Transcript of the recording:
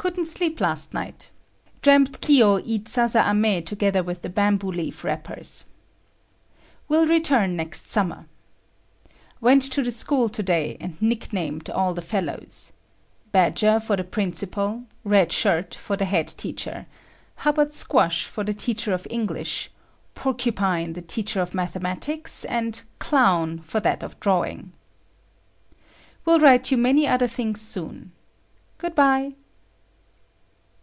Couldn't sleep last night. Dreamed Kiyo eat sasa ame together with the bamboo leaf wrappers. Will return next summer. Went to the school to day, and nicknamed all the fellows. 'Badger' for the principal, 'Red Shirt' for the head teacher, 'Hubbard Squash' for the teacher of English, 'Porcupine' the teacher of mathematics and 'Clown' for that of drawing. Will write you many other things soon. Good bye."